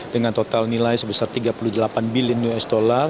dengan total nilai sebesar tiga puluh delapan bilion usd